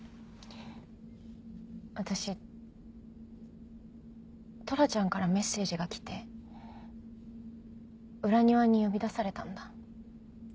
私トラちゃんからメッセージが来て裏庭に呼び出されたんだ。